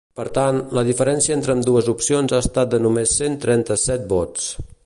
Per tant, la diferència entre ambdues opcions ha estat de només cent trenta-set vots.